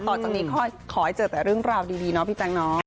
ต่อจากนี้ขอให้เจอแต่เรื่องราวดีพี่จัง